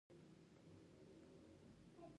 آیا د ورېښمو صنعت په هرات کې ژوندی دی؟